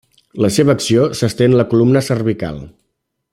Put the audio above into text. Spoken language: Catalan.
La seva acció estén la columna cervical.